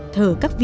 thờ các vị